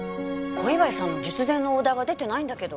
小岩井さんの術前のオーダーが出てないんだけど。